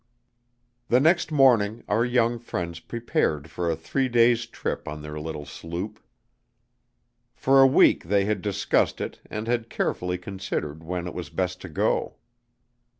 The next morning our young friends prepared for a three days' trip on their little sloop. For a week they had discussed it and had carefully considered when it was best to go.